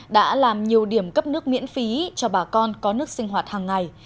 đã làm nhiều điểm cấp nước miễn phí cho bà con có nước sinh hoạt hàng ngày